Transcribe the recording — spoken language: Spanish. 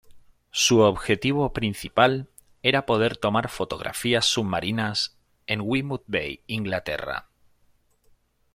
Su objetivo principal era poder tomar fotografías submarinas en Weymouth Bay, Inglaterra.